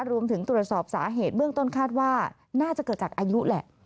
รวมถึงตรวจสอบสาเหตุเบื้องต้นคาดว่าน่าจะเกิดจากอายุแหละ